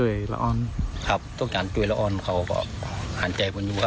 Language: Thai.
คือสิ่งแบบนี้ต้องบอกว่าเขาเอาชีวิตครอบครัวเขามาแลกเลยนะคะ